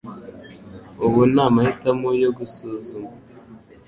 Ubu ni amahitamo yo gusuzuma